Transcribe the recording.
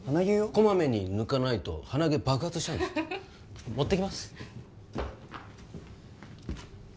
こまめに抜かないと爆発しちゃう持ってきます